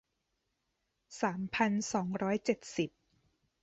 สามพันสองร้อยเจ็ดสิบ